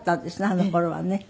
あの頃はね。